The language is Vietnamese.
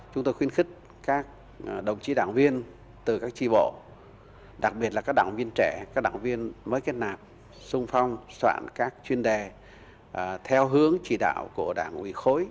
chúng tôi khuyến khích các đồng chí đảng viên từ các tri bộ đặc biệt là các đảng viên trẻ các đảng viên mới kết nạp sung phong soạn các chuyên đề theo hướng chỉ đạo của đảng ủy khối